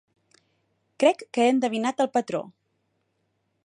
Crec que he endevinat el patró!